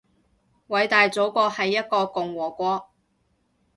偉大祖國係一個共和國